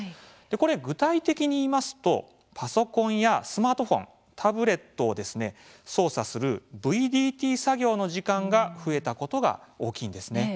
これ具体的に言いますとパソコンやスマートフォンタブレットを操作するＶＤＴ作業の時間が増えたことが大きいんですね。